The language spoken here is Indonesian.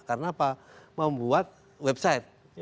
karena apa membuat website